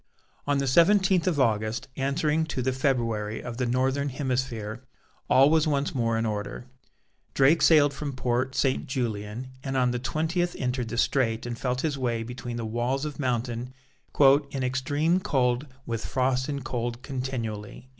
On the seventeenth of August, answering to the February of the northern hemisphere, all was once more in order. Drake sailed from Port St. Julian, and on the twentieth entered the Strait and felt his way between the walls of mountain "in extreme cold with frost and cold continually."